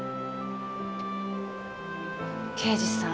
刑事さん。